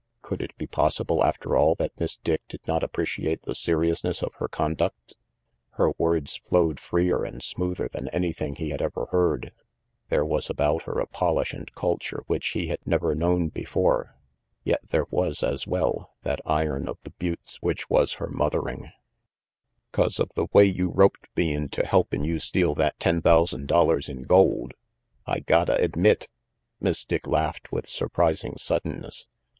Could it be possible, after all, that Miss Dick did not appreciate the seriousness of her conduct? Her words flowed freer and smoother than anything he had ever heard; there was about her a polish and culture which he had never known before; yet, there was, as well, that iron of the buttes which was her mothering. RANGY PETE 291 " 'Cause of the way you roped me into helpin' you steal that ten thousand dollars in gold. I gotta admit Miss Dick laughed with surprising suddenness.